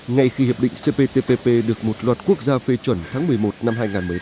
ngay khi hiệp định cptpp được một loạt quốc gia phê chuẩn tháng một mươi một năm hai nghìn một mươi năm